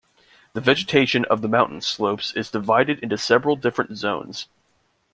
The vegetation of the mountain slopes is divided into several different zones.